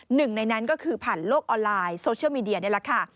หนึ่งในนั้นก็คือผ่านโลกออนไลน์โซเชียลมีเดียนี่แหละค่ะ